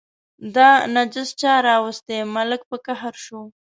دا نجس چا راوستی، ملک په قهر شو.